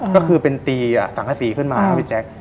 ก็คือเป็นตีสังกษีขึ้นมาครับพี่แจ๊ค